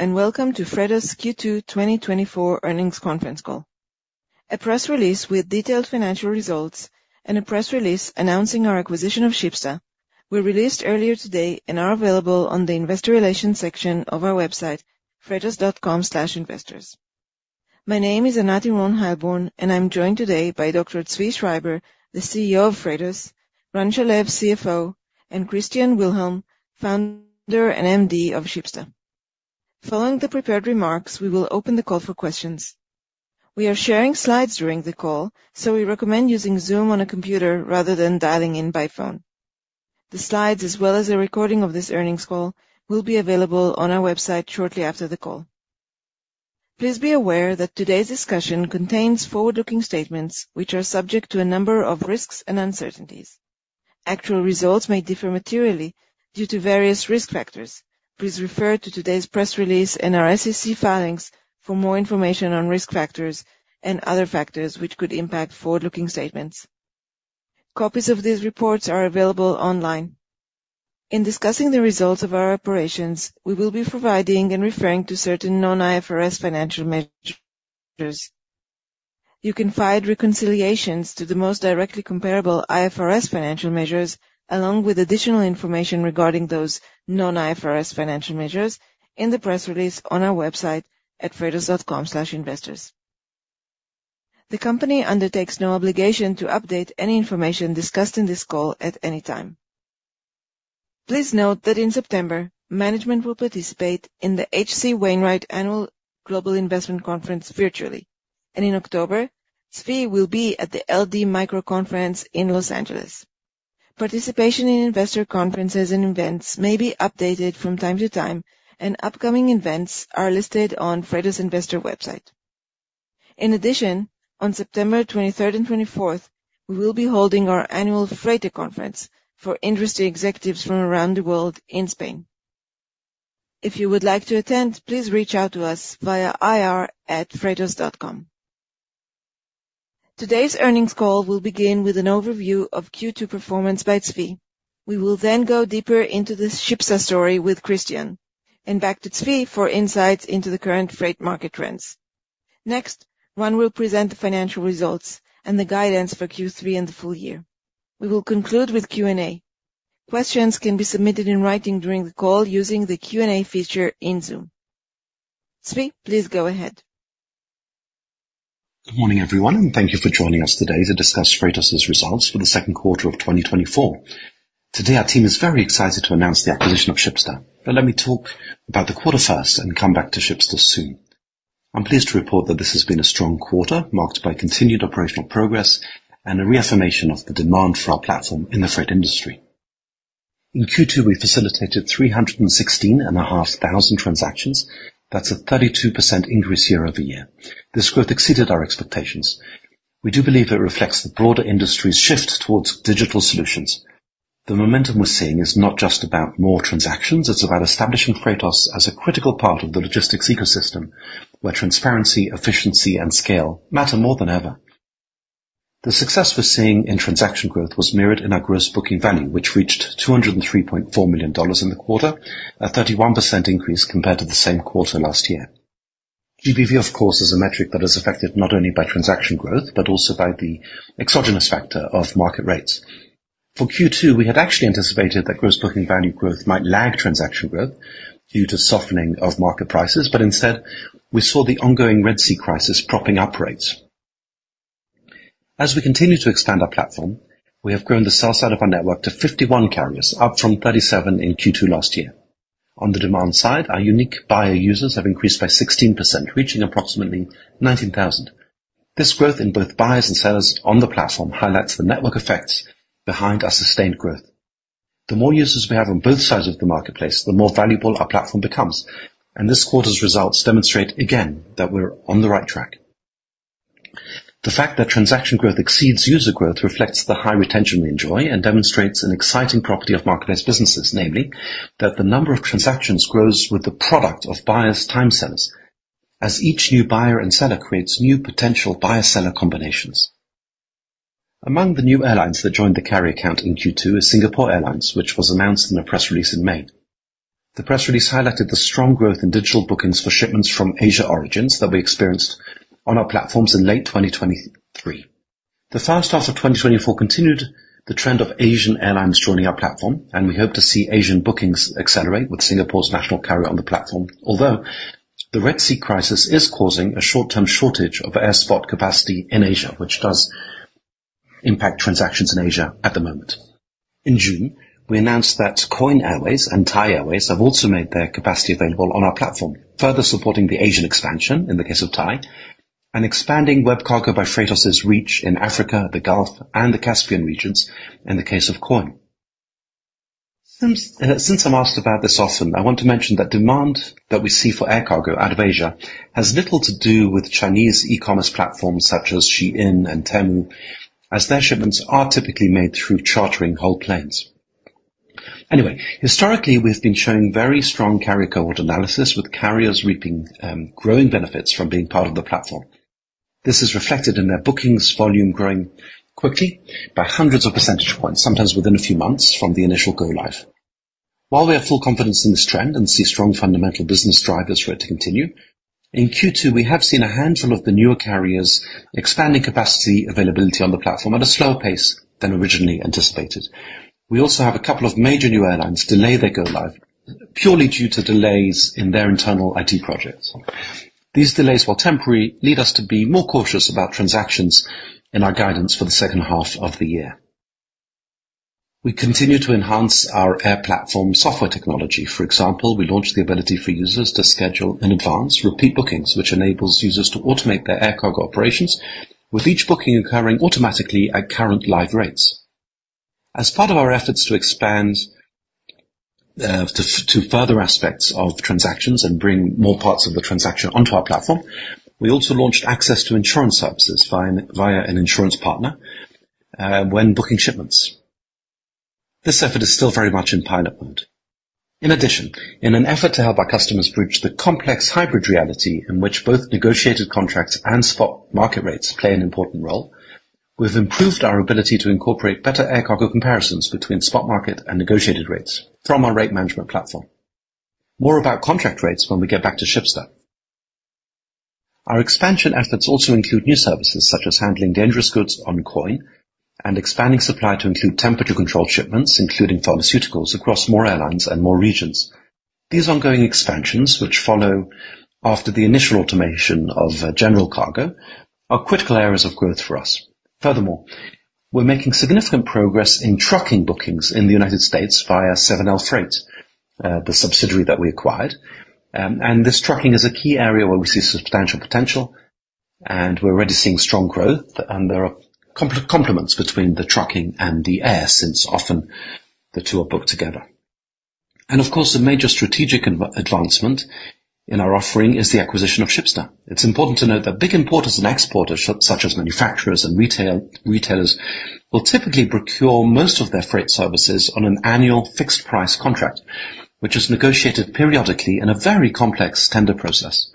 Welcome to Freightos' Q2 2024 earnings conference call. A press release with detailed financial results and a press release announcing our acquisition of Shipsta were released earlier today and are available on the investor relations section of our website, freightos.com/investors. My name is Anat Ron-Halborn, and I'm joined today by Dr. Zvi Schreiber, the CEO of Freightos, Ran Shalev, CFO, and Christian Wilhelm, founder and MD of Shipsta. Following the prepared remarks, we will open the call for questions. We are sharing slides during the call, so we recommend using Zoom on a computer rather than dialing in by phone. The slides, as well as a recording of this earnings call, will be available on our website shortly after the call. Please be aware that today's discussion contains forward-looking statements, which are subject to a number of risks and uncertainties. Actual results may differ materially due to various risk factors. Please refer to today's press release and our SEC filings for more information on risk factors and other factors which could impact forward-looking statements. Copies of these reports are available online. In discussing the results of our operations, we will be providing and referring to certain non-IFRS financial measures. You can find reconciliations to the most directly comparable IFRS financial measures, along with additional information regarding those non-IFRS financial measures in the press release on our website at freightos.com/investors. The company undertakes no obligation to update any information discussed in this call at any time. Please note that in September, management will participate in the H.C. Wainwright Annual Global Investment Conference virtually, and in October, Zvi will be at the LD Micro Conference in Los Angeles. Participation in investor conferences and events may be updated from time to time, and upcoming events are listed on Freightos investor website. In addition, on September twenty-third and twenty-fourth, we will be holding our annual Freight Conference for industry executives from around the world in Spain. If you would like to attend, please reach out to us via ir@freightos.com. Today's earnings call will begin with an overview of Q2 performance by Zvi. We will then go deeper into the Shipsta story with Christian, and back to Zvi for insights into the current freight market trends. Next, Ran will present the financial results and the guidance for Q3 and the full year. We will conclude with Q&A. Questions can be submitted in writing during the call using the Q&A feature in Zoom. Zvi, please go ahead. Good morning, everyone, and thank you for joining us today to discuss Freightos' results for the second quarter of 2024. Today, our team is very excited to announce the acquisition of Shipsta, but let me talk about the quarter first and come back to Shipsta soon. I'm pleased to report that this has been a strong quarter, marked by continued operational progress and a reaffirmation of the demand for our platform in the freight industry. In Q2, we facilitated 316,500 transactions. That's a 32% increase year over year. This growth exceeded our expectations. We do believe it reflects the broader industry's shift towards digital solutions. The momentum we're seeing is not just about more transactions. It's about establishing Freightos as a critical part of the logistics ecosystem, where transparency, efficiency, and scale matter more than ever. The success we're seeing in transaction growth was mirrored in our gross booking value, which reached $203.4 million in the quarter, a 31% increase compared to the same quarter last year. GBV, of course, is a metric that is affected not only by transaction growth, but also by the exogenous factor of market rates. For Q2, we had actually anticipated that gross booking value growth might lag transaction growth due to softening of market prices, but instead, we saw the ongoing Red Sea crisis propping up rates. As we continue to expand our platform, we have grown the sell side of our network to 51 carriers, up from 37 in Q2 last year. On the demand side, our unique buyer users have increased by 16%, reaching approximately 19,000. This growth in both buyers and sellers on the platform highlights the network effects behind our sustained growth. The more users we have on both sides of the marketplace, the more valuable our platform becomes, and this quarter's results demonstrate again that we're on the right track. The fact that transaction growth exceeds user growth reflects the high retention we enjoy and demonstrates an exciting property of marketplace businesses, namely, that the number of transactions grows with the product of buyers times sellers. As each new buyer and seller creates new potential buyer-seller combinations. Among the new airlines that joined the carrier account in Q2 is Singapore Airlines, which was announced in a press release in May. The press release highlighted the strong growth in digital bookings for shipments from Asia origins that we experienced on our platforms in late twenty twenty-three. The fast start of 2024 continued the trend of Asian airlines joining our platform, and we hope to see Asian bookings accelerate with Singapore's national carrier on the platform. Although the Red Sea crisis is causing a short-term shortage of air spot capacity in Asia, which does impact transactions in Asia at the moment. In June, we announced that Coyne Airways and Thai Airways have also made their capacity available on our platform, further supporting the Asian expansion in the case of Thai, and expanding WebCargo by Freightos' reach in Africa, the Gulf, and the Caspian regions in the case of Coyne. Since since I'm asked about this often, I want to mention that demand that we see for air cargo out of Asia has little to do with Chinese e-commerce platforms such as Shein and Temu, as their shipments are typically made through chartering whole planes. Anyway, historically, we've been showing very strong carrier cohort analysis, with carriers reaping growing benefits from being part of the platform. This is reflected in their bookings volume growing quickly by hundreds of percentage points, sometimes within a few months from the initial go live. While we have full confidence in this trend and see strong fundamental business drivers for it to continue, in Q2, we have seen a handful of the newer carriers expanding capacity availability on the platform at a slower pace than originally anticipated. We also have a couple of major new airlines delay their go live, purely due to delays in their internal IT projects. These delays, while temporary, lead us to be more cautious about transactions in our guidance for the second half of the year. We continue to enhance our air platform software technology. For example, we launched the ability for users to schedule in advance repeat bookings, which enables users to automate their air cargo operations, with each booking occurring automatically at current live rates. As part of our efforts to expand to further aspects of transactions and bring more parts of the transaction onto our platform, we also launched access to insurance services via an insurance partner when booking shipments. This effort is still very much in pilot mode. In addition, in an effort to help our customers bridge the complex hybrid reality in which both negotiated contracts and spot market rates play an important role, we've improved our ability to incorporate better air cargo comparisons between spot market and negotiated rates from our rate management platform. More about contract rates when we get back to Shipsta. Our expansion efforts also include new services such as handling dangerous goods on Coyne and expanding supply to include temperature-controlled shipments, including pharmaceuticals, across more airlines and more regions. These ongoing expansions, which follow after the initial automation of general cargo, are critical areas of growth for us. Furthermore, we're making significant progress in trucking bookings in the United States via 7LFreight, the subsidiary that we acquired. And this trucking is a key area where we see substantial potential, and we're already seeing strong growth, and there are complements between the trucking and the air, since often the two are booked together. And of course, a major strategic advancement in our offering is the acquisition of Shipsta. It's important to note that big importers and exporters, such as manufacturers and retailers, will typically procure most of their freight services on an annual fixed price contract, which is negotiated periodically in a very complex tender process.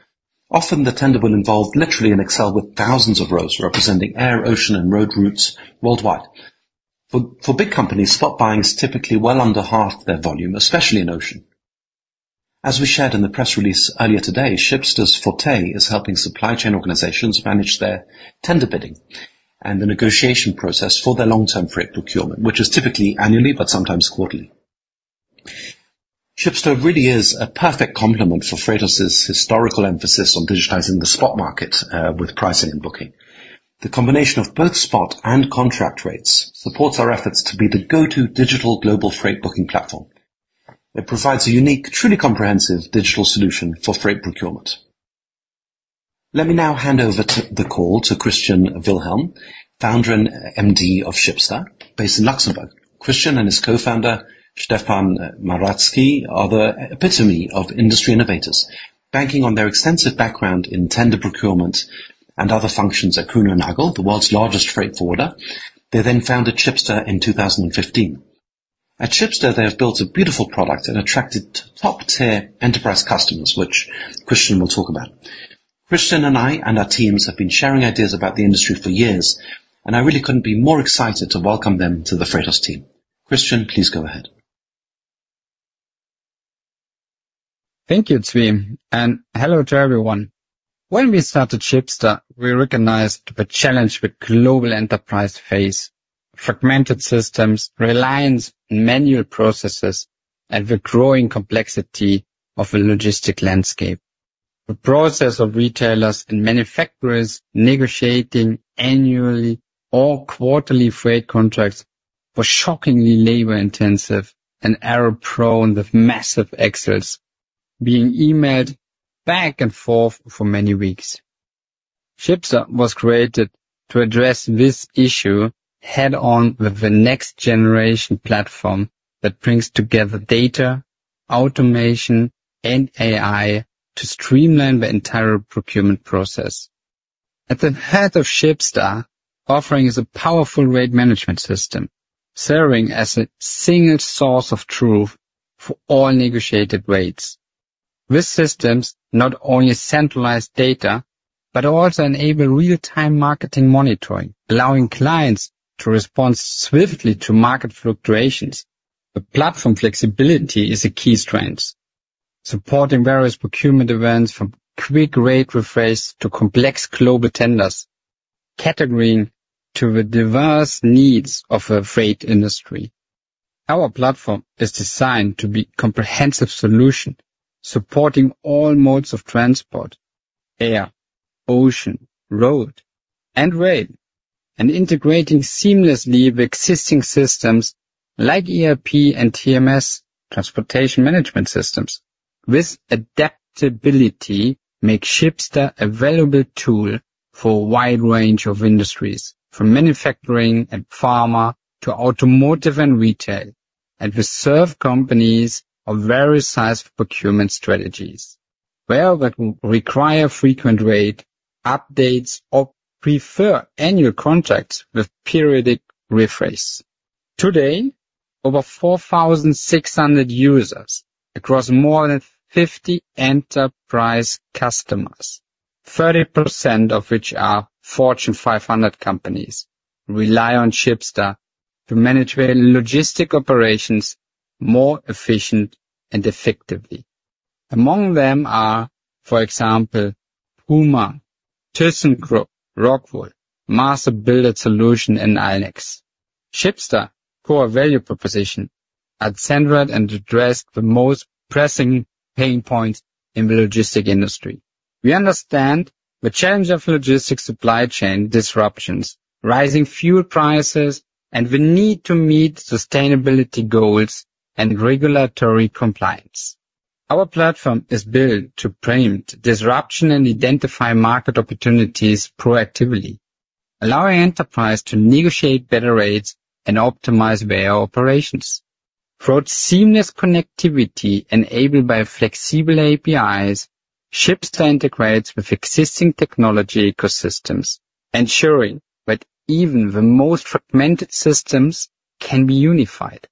Often, the tender will involve literally an Excel with thousands of rows, representing air, ocean, and road routes worldwide. For big companies, spot buying is typically well under half their volume, especially in ocean. As we shared in the press release earlier today, Shipsta's forte is helping supply chain organizations manage their tender bidding and the negotiation process for their long-term freight procurement, which is typically annually, but sometimes quarterly. Shipsta really is a perfect complement for Freightos' historical emphasis on digitizing the spot market with pricing and booking. The combination of both spot and contract rates supports our efforts to be the go-to digital global freight booking platform. It provides a unique, truly comprehensive digital solution for freight procurement. Let me now hand over to the call to Christian Wilhelm, founder and MD of Shipsta, based in Luxembourg. Christian and his co-founder, Stefan Maratzki, are the epitome of industry innovators. Banking on their extensive background in tender procurement and other functions at Kuehne+Nagel, the world's largest freight forwarder, they then founded Shipsta in 2015. At Shipsta, they have built a beautiful product and attracted top-tier enterprise customers, which Christian will talk about. Christian and I and our teams have been sharing ideas about the industry for years, and I really couldn't be more excited to welcome them to the Freightos team. Christian, please go ahead. Thank you, Zvi, and hello to everyone. When we started Shipsta, we recognized the challenge the global enterprises face: fragmented systems, reliance on manual processes, and the growing complexity of the logistics landscape. The process of retailers and manufacturers negotiating annually or quarterly freight contracts was shockingly labor-intensive and error-prone, with massive Excels being emailed back and forth for many weeks. Shipsta was created to address this issue head-on with the next-generation platform that brings together data, automation, and AI to streamline the entire procurement process. At the heart of Shipsta's offering is a powerful rate management system, serving as a single source of truth for all negotiated rates. These systems not only centralize data, but also enable real-time market monitoring, allowing clients to respond swiftly to market fluctuations. The platform flexibility is a key strength, supporting various procurement events from quick rate refresh to complex global tenders, catering to the diverse needs of the freight industry. Our platform is designed to be comprehensive solution, supporting all modes of transport: air, ocean, road, and rail, and integrating seamlessly with existing systems like ERP and TMS, transportation management systems. This adaptability makes Shipsta a valuable tool for a wide range of industries, from manufacturing and pharma, to automotive and retail, and we serve companies of various sizes of procurement strategies, where they require frequent rate updates or prefer annual contracts with periodic refresh. Today, over 4,600 users across more than 50 enterprise customers, 30% of which are Fortune 500 companies, rely on Shipsta to manage their logistics operations more efficient and effectively. Among them are, for example, Puma, thyssenkrupp, Rockwool, Master Builders Solutions, and INEOS. Shipsta core value proposition are centered and address the most pressing pain points in the logistics industry. We understand the challenge of logistics supply chain disruptions, rising fuel prices, and the need to meet sustainability goals and regulatory compliance. Our platform is built to preempt disruption and identify market opportunities proactively, allowing enterprise to negotiate better rates and optimize their operations. Through seamless connectivity enabled by flexible APIs, Shipsta integrates with existing technology ecosystems, ensuring that even the most fragmented systems can be unified.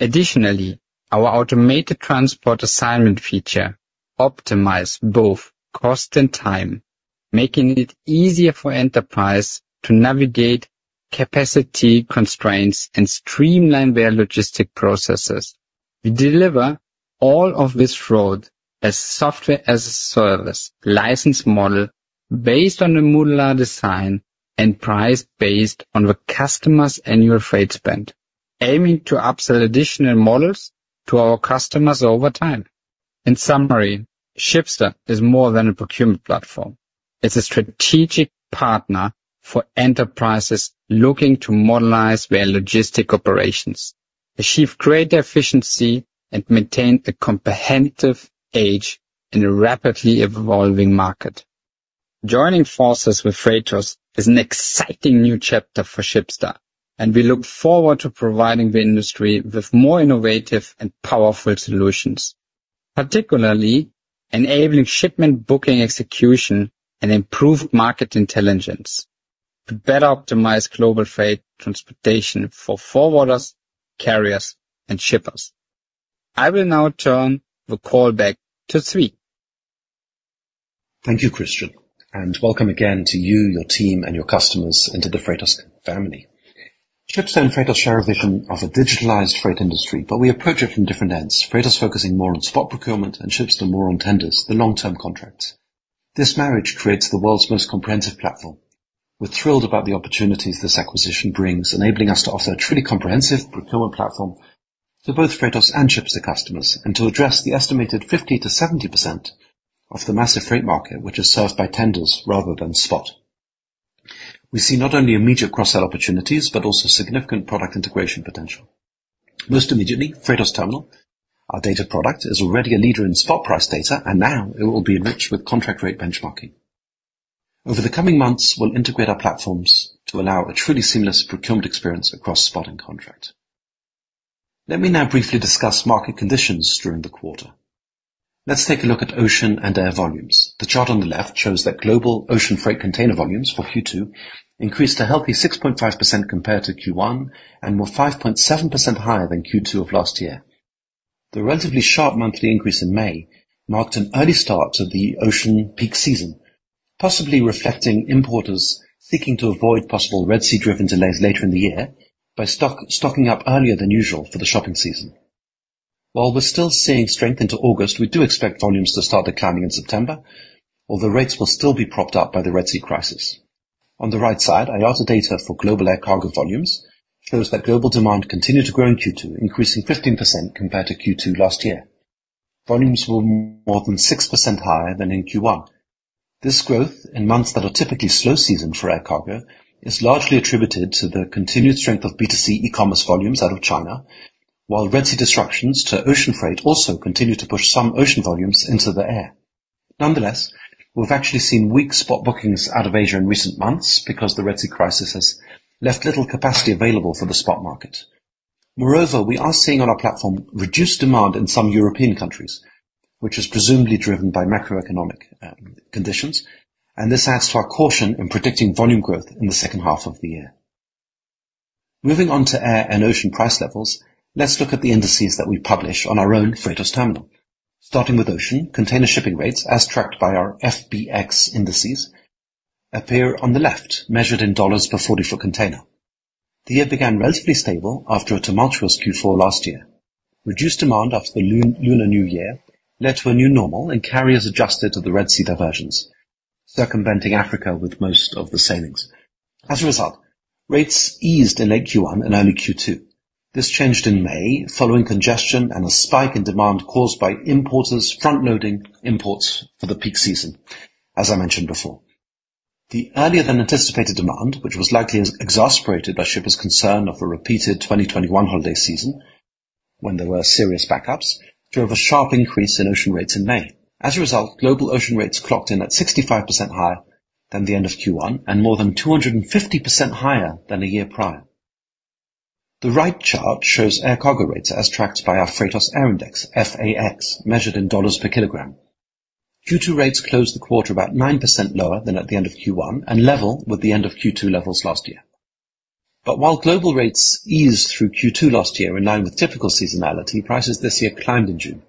Additionally, our automated transport assignment feature optimize both cost and time, making it easier for enterprise to navigate capacity constraints and streamline their logistics processes. We deliver all of this as software as a service license model, based on a modular design and priced based on the customer's annual freight spend, aiming to upsell additional models to our customers over time. In summary, Shipsta is more than a procurement platform. It's a strategic partner for enterprises looking to modernize their logistics operations, achieve greater efficiency, and maintain a competitive edge in a rapidly evolving market. Joining forces with Freightos is an exciting new chapter for Shipsta, and we look forward to providing the industry with more innovative and powerful solutions, particularly enabling shipment, booking, execution, and improved market intelligence to better optimize global freight transportation for forwarders, carriers, and shippers. I will now turn the call back to Zvi. Thank you, Christian, and welcome again to you, your team, and your customers into the Freightos family. Shipsta and Freightos share a vision of a digitalized freight industry, but we approach it from different ends. Freightos focusing more on spot procurement and Shipsta more on tenders, the long-term contracts. This marriage creates the world's most comprehensive platform. We're thrilled about the opportunities this acquisition brings, enabling us to offer a truly comprehensive procurement platform to both Freightos and Shipsta customers, and to address the estimated 50-70% of the massive freight market, which is served by tenders rather than spot. We see not only immediate cross-sell opportunities, but also significant product integration potential. Most immediately, Freightos Terminal, our data product, is already a leader in spot price data, and now it will be enriched with contract rate benchmarking. Over the coming months, we'll integrate our platforms to allow a truly seamless procurement experience across spot and contract. Let me now briefly discuss market conditions during the quarter. Let's take a look at ocean and air volumes. The chart on the left shows that global ocean freight container volumes for Q2 increased a healthy 6.5% compared to Q1, and were 5.7% higher than Q2 of last year. The relatively sharp monthly increase in May marked an early start to the ocean peak season, possibly reflecting importers seeking to avoid possible Red Sea driven delays later in the year by stocking up earlier than usual for the shopping season. While we're still seeing strength into August, we do expect volumes to start declining in September, although rates will still be propped up by the Red Sea crisis. On the right side, IATA data for global air cargo volumes shows that global demand continued to grow in Q2, increasing 15% compared to Q2 last year. Volumes were more than 6% higher than in Q1. This growth in months that are typically slow season for air cargo is largely attributed to the continued strength of B2C e-commerce volumes out of China, while Red Sea disruptions to ocean freight also continue to push some ocean volumes into the air. Nonetheless, we've actually seen weak spot bookings out of Asia in recent months because the Red Sea crisis has left little capacity available for the spot market. Moreover, we are seeing on our platform reduced demand in some European countries, which is presumably driven by macroeconomic conditions, and this adds to our caution in predicting volume growth in the second half of the year. Moving on to air and ocean price levels, let's look at the indices that we publish on our own Freightos Terminal. Starting with ocean, container shipping rates as tracked by our FBX indices appear on the left, measured in $ per forty-foot container. The year began relatively stable after a tumultuous Q4 last year. Reduced demand after the Lunar New Year led to a new normal, and carriers adjusted to the Red Sea diversions, circumventing Africa with most of the sailings. As a result, rates eased in late Q1 and early Q2. This changed in May, following congestion and a spike in demand caused by importers front-loading imports for the peak season, as I mentioned before. The earlier than anticipated demand, which was likely exacerbated by shippers' concern of a repeated twenty-twenty-one holiday season, when there were serious backups, drove a sharp increase in ocean rates in May. As a result, global ocean rates clocked in at 65% higher than the end of Q1 and more than 250% higher than the year prior. The right chart shows air cargo rates as tracked by our Freightos Air Index, FAX, measured in $ per kilogram. Q2 rates closed the quarter about 9% lower than at the end of Q1, and level with the end of Q2 levels last year. But while global rates eased through Q2 last year, in line with typical seasonality, prices this year climbed in June.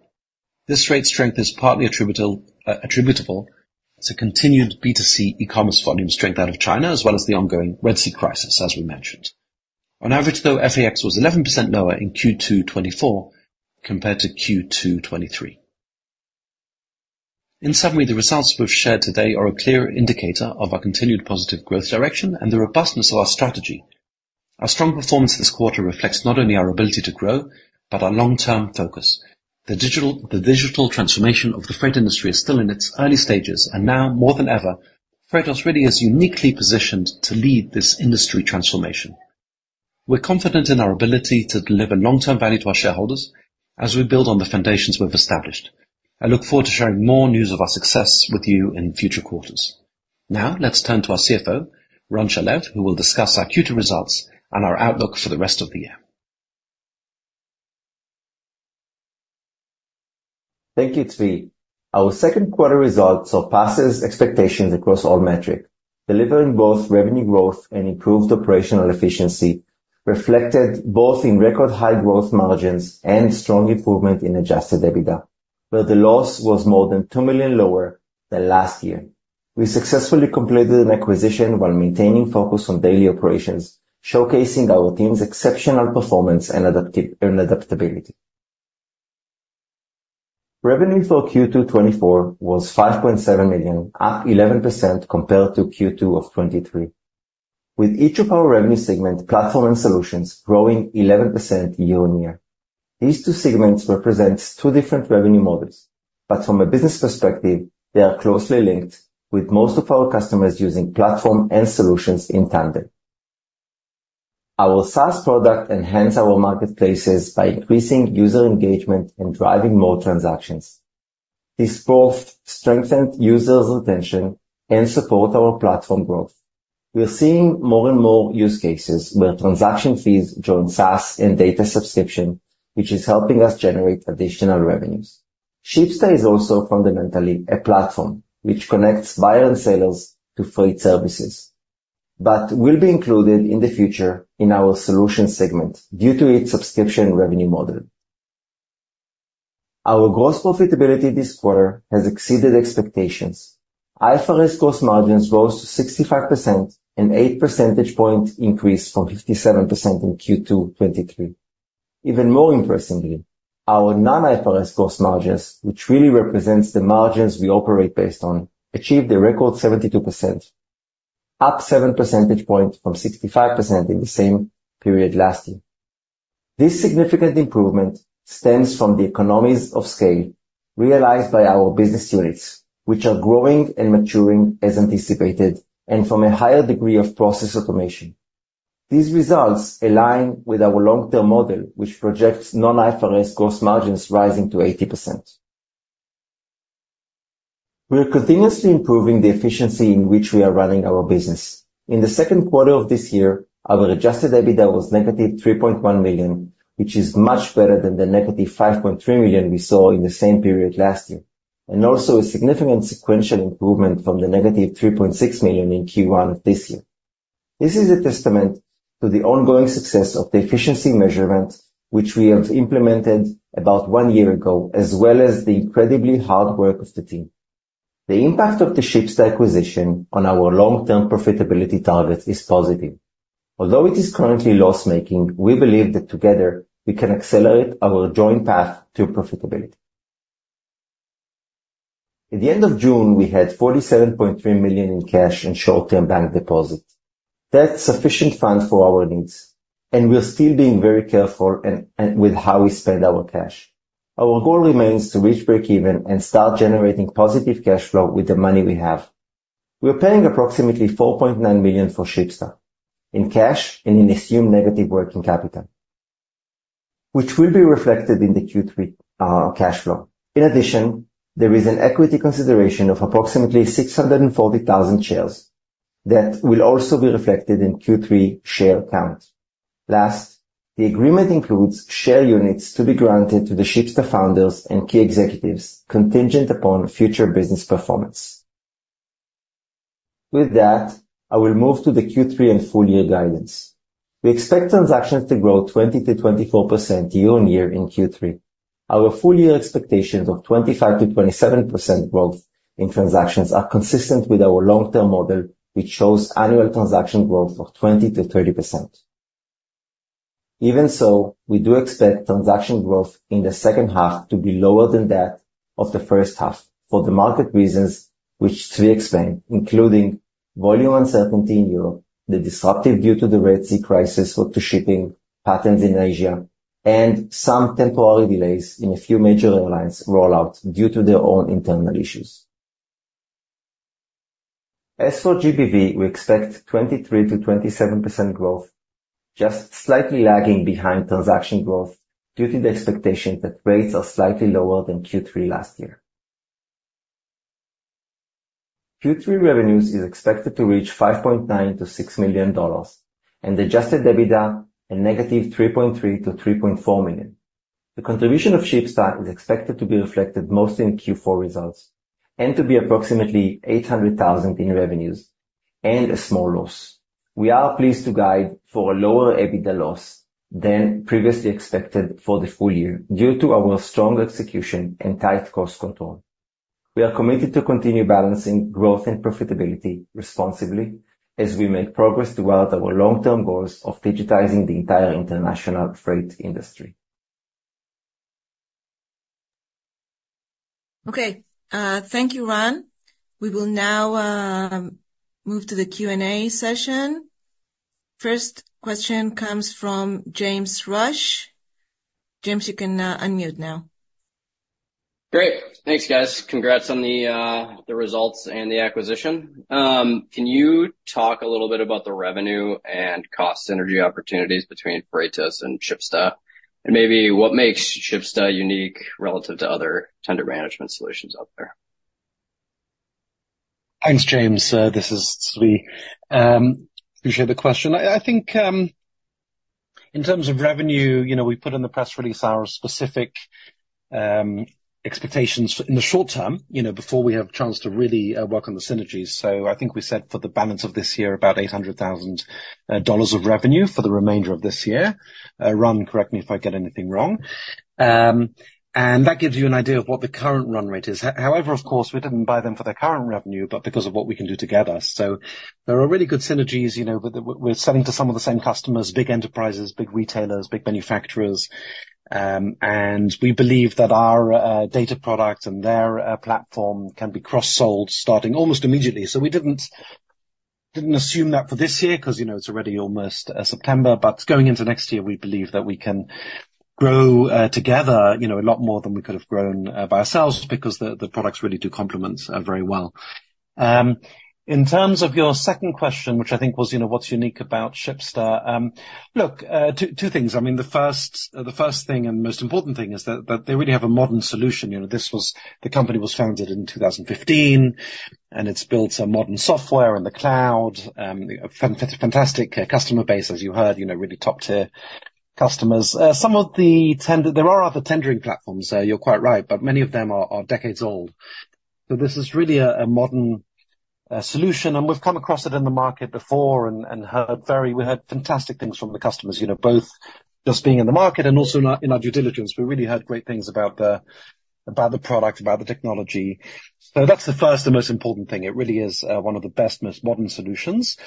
This rate strength is partly attributable to continued B2C e-commerce volume strength out of China, as well as the ongoing Red Sea crisis, as we mentioned. On average, though, FAX was 11% lower in Q2 2024 compared to Q2 2023. In summary, the results we've shared today are a clear indicator of our continued positive growth direction and the robustness of our strategy. Our strong performance this quarter reflects not only our ability to grow, but our long-term focus. The digital transformation of the freight industry is still in its early stages, and now more than ever, Freightos really is uniquely positioned to lead this industry transformation. We're confident in our ability to deliver long-term value to our shareholders as we build on the foundations we've established. I look forward to sharing more news of our success with you in future quarters. Now, let's turn to our CFO, Ran Shalev, who will discuss our Q2 results and our outlook for the rest of the year. Thank you, Zvi. Our second quarter results surpasses expectations across all metrics, delivering both revenue growth and improved operational efficiency, reflected both in record high growth margins and strong improvement in adjusted EBITDA, where the loss was more than $2 million lower than last year. We successfully completed an acquisition while maintaining focus on daily operations, showcasing our team's exceptional performance and adaptability. Revenue for Q2 2024 was $5.7 million, up 11% compared to Q2 2023, with each of our revenue segment, Platform and Solutions, growing 11% year-on-year. These two segments represent two different revenue models, but from a business perspective, they are closely linked with most of our customers using Platform and Solutions in tandem. Our SaaS product enhance our marketplaces by increasing user engagement and driving more transactions. This both strengthened users' attention and support our platform growth. We are seeing more and more use cases where transaction fees join SaaS and data subscription, which is helping us generate additional revenues. Shipsta is also fundamentally a platform which connects buyers and sellers to freight services, but will be included in the future in our solutions segment due to its subscription revenue model. Our gross profitability this quarter has exceeded expectations. IFRS gross margins rose to 65%, an eight percentage point increase from 57% in Q2 2023. Even more impressively, our non-IFRS gross margins, which really represents the margins we operate based on, achieved a record 72%, up seven percentage points from 65% in the same period last year. This significant improvement stems from the economies of scale realized by our business units, which are growing and maturing as anticipated, and from a higher degree of process automation. These results align with our long-term model, which projects Non-IFRS gross margins rising to 80%. We are continuously improving the efficiency in which we are running our business. In the second quarter of this year, our adjusted EBITDA was -$3.1 million, which is much better than the -$5.3 million we saw in the same period last year, and also a significant sequential improvement from the -$3.6 million in Q1 of this year. This is a testament to the ongoing success of the efficiency measurements, which we have implemented about one year ago, as well as the incredibly hard work of the team. The impact of the Shipsta acquisition on our long-term profitability targets is positive. Although it is currently loss-making, we believe that together we can accelerate our joint path to profitability. At the end of June, we had $47.3 million in cash and short-term bank deposits. That's sufficient funds for our needs, and we are still being very careful in with how we spend our cash. Our goal remains to reach breakeven and start generating positive cash flow with the money we have. We are paying approximately $4.9 million for Shipsta in cash and in assumed negative working capital, which will be reflected in the Q3 cash flow. In addition, there is an equity consideration of approximately 640,000 shares that will also be reflected in Q3 share count. Last, the agreement includes share units to be granted to the Shipsta founders and key executives, contingent upon future business performance. With that, I will move to the Q3 and full year guidance. We expect transactions to grow 20-24% year-on-year in Q3. Our full year expectations of 25-27% growth in transactions are consistent with our long-term model, which shows annual transaction growth of 20-30%. Even so, we do expect transaction growth in the second half to be lower than that of the first half for the market reasons, which Zvi explained, including volume uncertainty in Europe, the disruption due to the Red Sea crisis to shipping patterns in Asia, and some temporary delays in a few major airlines rollout due to their own internal issues. As for GBV, we expect 23-27% growth, just slightly lagging behind transaction growth due to the expectation that rates are slightly lower than Q3 last year. Q3 revenues is expected to reach $5.9-$6 million, and adjusted EBITDA a negative $3.3-$3.4 million. The contribution of Shipsta is expected to be reflected mostly in Q4 results, and to be approximately $800,000 in revenues and a small loss. We are pleased to guide for a lower EBITDA loss than previously expected for the full year, due to our strong execution and tight cost control. We are committed to continue balancing growth and profitability responsibly as we make progress toward our long-term goals of digitizing the entire international freight industry. Okay, thank you, Ran. We will now move to the Q&A session. First question comes from James Rush. James, you can unmute now. Great! Thanks, guys. Congrats on the results and the acquisition. Can you talk a little bit about the revenue and cost synergy opportunities between Freightos and Shipsta, and maybe what makes Shipsta unique relative to other tender management solutions out there? Thanks, James. This is Zvi. Appreciate the question. I think in terms of revenue, you know, we put in the press release our specific expectations in the short term, you know, before we have a chance to really work on the synergies. So I think we said for the balance of this year, about $800,000 of revenue for the remainder of this year. Ran, correct me if I get anything wrong. And that gives you an idea of what the current run rate is. However, of course, we didn't buy them for their current revenue, but because of what we can do together. So there are really good synergies, you know, with the we're selling to some of the same customers, big enterprises, big retailers, big manufacturers, and we believe that our data product and their platform can be cross-sold starting almost immediately. We didn't assume that for this year, 'cause, you know, it's already almost September, but going into next year, we believe that we can grow together, you know, a lot more than we could have grown by ourselves, just because the products really do complement very well. In terms of your second question, which I think was, you know, what's unique about Shipsta? Look, two things. I mean, the first thing and most important thing is that they really have a modern solution. You know, the company was founded in 2015, and it's built a modern software in the cloud. A fantastic customer base, as you heard, you know, really top-tier customers. Some of the tender. There are other tendering platforms, you're quite right, but many of them are decades old. So this is really a modern solution, and we've come across it in the market before and heard fantastic things from the customers, you know, both just being in the market and also in our due diligence. We really heard great things about the product, about the technology. So that's the first and most important thing. It really is one of the best, most modern solutions.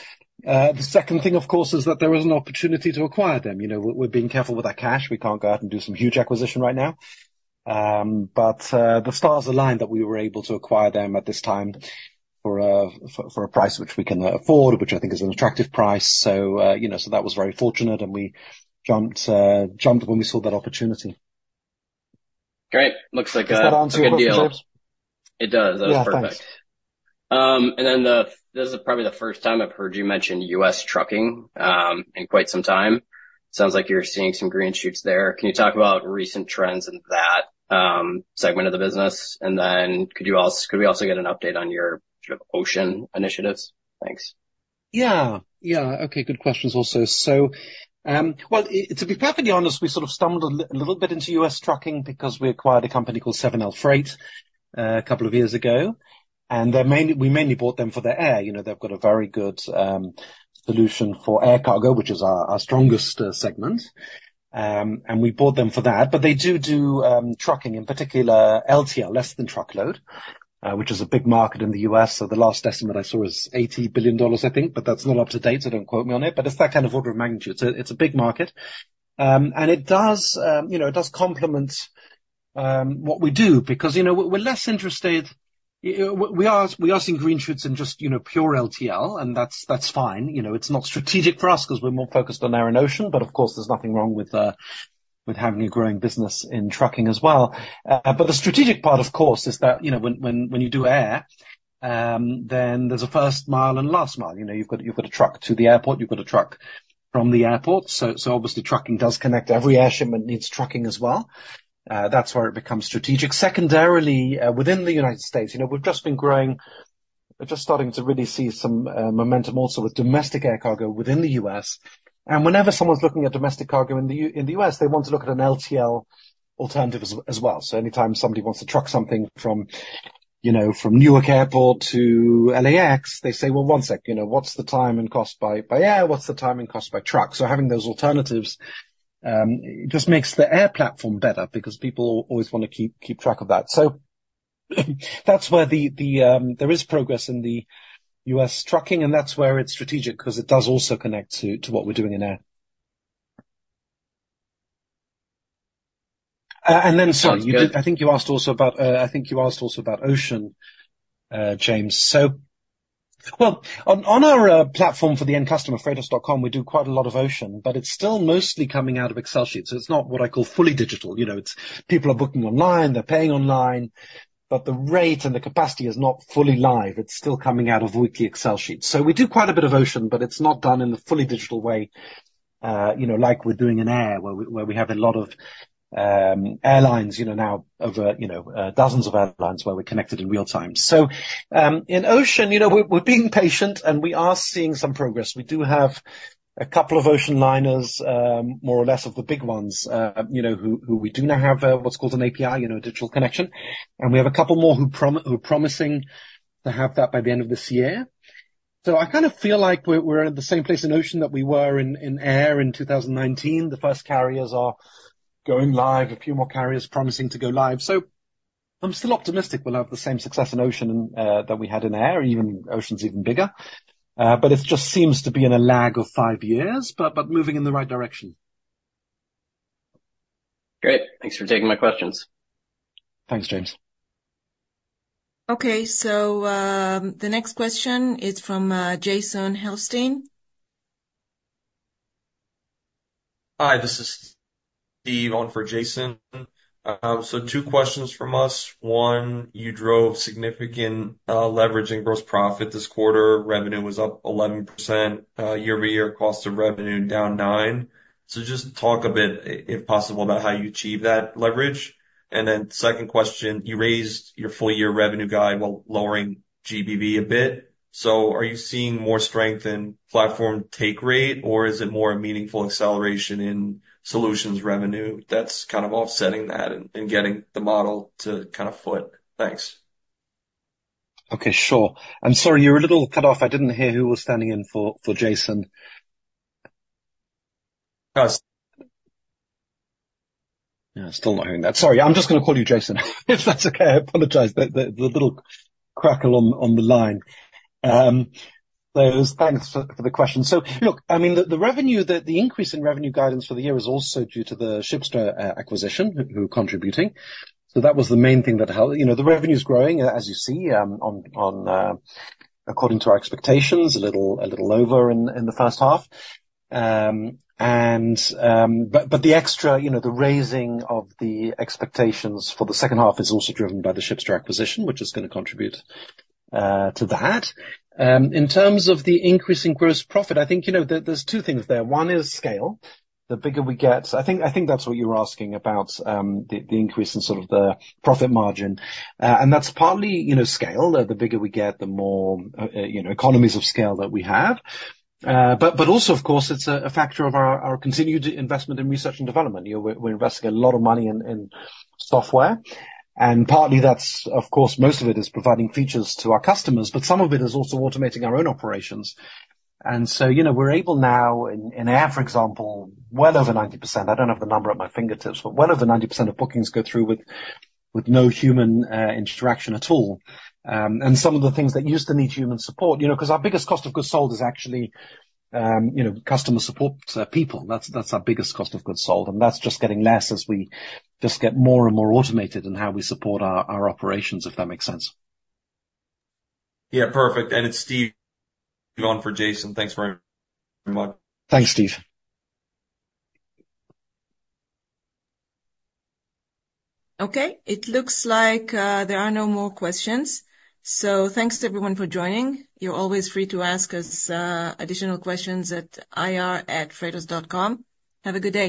The second thing, of course, is that there is an opportunity to acquire them. You know, we're being careful with our cash. We can't go out and do some huge acquisition right now, but the stars aligned that we were able to acquire them at this time for a price which we can afford, which I think is an attractive price. You know, that was very fortunate, and we jumped when we saw that opportunity. Great. Does that answer your questions? A good deal. It does. Yeah, thanks. That was perfect. And then, this is probably the first time I've heard you mention U.S., trucking in quite some time. Sounds like you're seeing some green shoots there. Can you talk about recent trends in that segment of the business? And then could we also get an update on your sort of ocean initiatives? Thanks. Yeah. Yeah. Okay, good questions also. So, well, to be perfectly honest, we sort of stumbled a little bit into U.S., trucking because we acquired a company called 7LFreight a couple of years ago, and we mainly bought them for their air. You know, they've got a very good solution for air cargo, which is our strongest segment. And we bought them for that, but they do trucking, in particular, LTL, less than truckload, which is a big market in the U.S. So the last estimate I saw was $80 billion, I think, but that's not up to date, so don't quote me on it. But it's that kind of order of magnitude. So it's a big market. It does, you know, it does complement what we do, because, you know, we're less interested... We are seeing green shoots in just, you know, pure LTL, and that's fine. You know, it's not strategic for us, 'cause we're more focused on air and ocean, but of course, there's nothing wrong with having a growing business in trucking as well. But the strategic part, of course, is that, you know, when you do air, then there's a first mile and last mile. You know, you've got a truck to the airport, you've got a truck from the airport, so obviously trucking does connect. Every air shipment needs trucking as well. That's where it becomes strategic. Secondarily, within the United States, you know, we've just been growing, we're just starting to really see some momentum also with domestic air cargo within the U.S., and whenever someone's looking at domestic cargo in the U.S., they want to look at an LTL alternative as well. So anytime somebody wants to truck something from, you know, from Newark Airport to LAX, they say, "Well, one sec, you know, what's the time and cost by air? What's the time and cost by truck?" So having those alternatives just makes the air platform better, because people always wanna keep track of that. So, that's where the... There is progress in the U.S. trucking, and that's where it's strategic, 'cause it does also connect to what we're doing in air. And then sorry- Sounds good. I think you asked also about ocean, James. So, well, on our platform for the end customer, Freightos.com, we do quite a lot of ocean, but it's still mostly coming out of Excel sheets, so it's not what I call fully digital. You know, it's people are booking online, they're paying online, but the rate and the capacity is not fully live. It's still coming out of weekly Excel sheets. So we do quite a bit of ocean, but it's not done in the fully digital way. You know, like we're doing in air, where we have a lot of airlines, you know, now over dozens of airlines where we're connected in real time. So, in ocean, you know, we're being patient, and we are seeing some progress. We do have a couple of ocean liners, more or less of the big ones, you know, who we do now have what's called an API, you know, digital connection. And we have a couple more who are promising to have that by the end of this year. So I kind of feel like we're at the same place in ocean that we were in air in 2019. The first carriers are going live, a few more carriers promising to go live. So I'm still optimistic we'll have the same success in ocean that we had in air, or even ocean's even bigger. But it just seems to be in a lag of five years, but moving in the right direction. Great. Thanks for taking my questions. Thanks, James. Okay. So, the next question is from Jason Helfstein. Hi, this is Steve on for Jason. So two questions from us. One, you drove significant leverage in gross profit this quarter. Revenue was up 11% year-over-year. Cost of revenue down 9. So just talk a bit, if possible, about how you achieve that leverage. And then second question, you raised your full-year revenue guide while lowering GBV a bit. So are you seeing more strength in platform take rate, or is it more a meaningful acceleration in solutions revenue that's kind of offsetting that and getting the model to kind of foot? Thanks. Okay, sure. I'm sorry, you were a little cut off. I didn't hear who was standing in for, for Jason. Us. Yeah, still not hearing that. Sorry, I'm just gonna call you Jason, if that's okay. I apologize. The little crackle on the line. But thanks for the question. So look, I mean, the revenue, the increase in revenue guidance for the year is also due to the Shipsta acquisition, we're contributing. So that was the main thing that helped. You know, the revenue is growing, as you see, according to our expectations, a little over in the first half. And but the extra, you know, the raising of the expectations for the second half is also driven by the Shipsta acquisition, which is gonna contribute to that. In terms of the increase in gross profit, I think, you know, there's two things there. One is scale. The bigger we get. I think that's what you were asking about, the increase in sort of the profit margin. And that's partly, you know, scale. The bigger we get, the more, you know, economies of scale that we have. But also, of course, it's a factor of our continued investment in research and development. You know, we're investing a lot of money in software, and partly that's, of course, most of it is providing features to our customers, but some of it is also automating our own operations. So, you know, we're able now, in air, for example, well over 90%, I don't have the number at my fingertips, but well over 90% of bookings go through with no human interaction at all. And some of the things that used to need human support, you know, 'cause our biggest cost of goods sold is actually, you know, customer support people. That's our biggest cost of goods sold, and that's just getting less as we just get more and more automated in how we support our operations, if that makes sense. Yeah, perfect. And it's Steve on for Jason. Thanks very much. Thanks, Steve. Okay. It looks like, there are no more questions. So thanks to everyone for joining. You're always free to ask us, additional questions at ir@freightos.com. Have a good day.